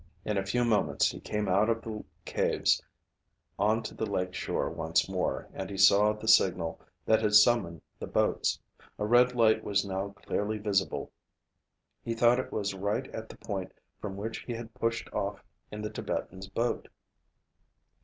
In a few moments he came out of the caves onto the lake shore once more, and he saw the signal that had summoned the boats. A red light was now clearly visible. He thought it was right at the point from which he had pushed off in the Tibetan's boat.